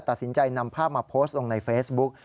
ตัดสินใจนำภาพมาโพสต์ลงในเฟซบุ๊ก